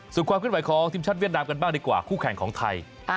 ส่วนความขึ้นไหวของทีมชาติเวียดนามกันบ้างดีกว่าคู่แข่งของไทย